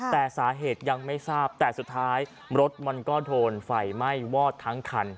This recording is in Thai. แต่สาเหตุยังไม่ทราบแต่สุดท้ายรถมันก็โดนไฟไหม้วอดทั้งคัน